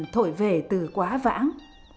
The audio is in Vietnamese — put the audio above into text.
thổi về từ quá vãng